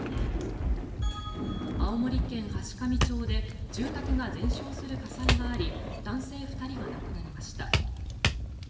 青森県階上町で住宅が全焼する火災があり男性２人が亡くなりました。